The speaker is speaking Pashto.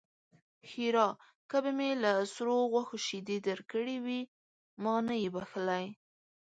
ښېرا: که به مې له سرو غوښو شيدې درکړې وي؛ ما نه يې بښلی.